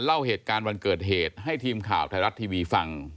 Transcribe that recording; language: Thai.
เล่าเหตุการณ์วันเกิดเหตุให้ทีมข่าวไทยรัฐทีวีฟัง